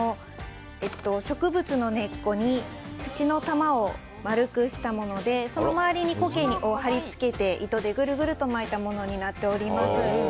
植物の根っこに土の玉を丸くしたものでその周りに苔を貼り付けて糸でぐるぐると巻いたものになっております。